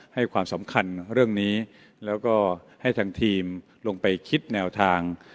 ให้ความสำคัญเรื่องนี้แล้วก็ให้ทางทีมลงไปคิดแนวทาง